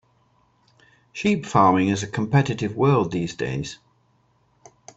Sheep farming is a competitive world these days.